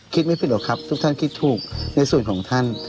คิดไม่ผิดหรอกครับทุกท่านคิดถูกในส่วนของท่าน